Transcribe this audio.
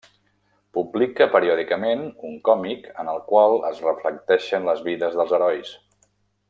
Publica periòdicament un còmic en el qual es reflecteixen les vides dels herois.